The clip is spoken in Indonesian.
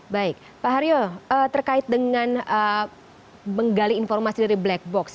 baik pak haryo terkait dengan menggali informasi dari black box